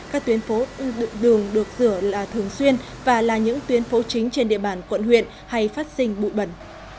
các tuyến đường được rửa là thường xuyên và là những tuyến phố chính trên địa bàn quận huyện hay phát sinh bụi bẩn